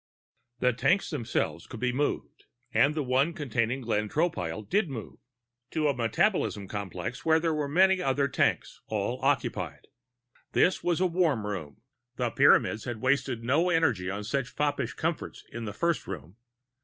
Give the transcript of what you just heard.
The tanks themselves could be moved, and the one containing Glenn Tropile did move, to a metabolism complex where there were many other tanks, all occupied. This was a warm room the Pyramids had wasted no energy on such foppish comforts in the first "room."